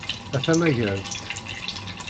A tamagadt!